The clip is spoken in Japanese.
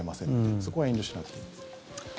そこは遠慮しなくていい。